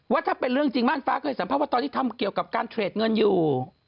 ว่าถ้าเป็นเรื่องจริงม่านฟ้าเคยสัมภาษณ์ว่าตอนนี้ทำเกี่ยวกับการเทรดเงินอยู่